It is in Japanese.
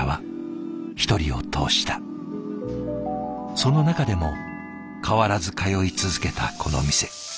その中でも変わらず通い続けたこの店。